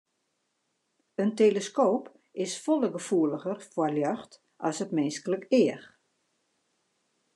In teleskoop is folle gefoeliger foar ljocht as it minsklik each.